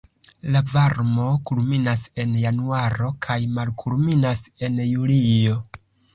La varmo kulminas en januaro kaj malkulminas en julio.